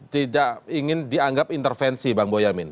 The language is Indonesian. tidak ingin dianggap intervensi bang boyamin